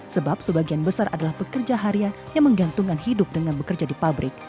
sebab sebagian besar adalah pekerja harian yang menggantungkan hidup dengan bekerja di pabrik